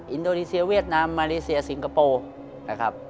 อินโดรีเซียเวียดนามมารีเซียสิงคโปร์